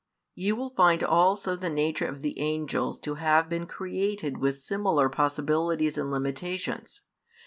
You will find also the nature of the angels to have been created with similar possibilities and limitations.